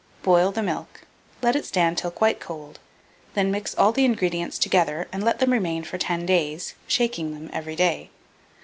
Boil the milk; let it stand till quite cold; then mix all the ingredients together, and let them remain for 10 days, shaking them every day.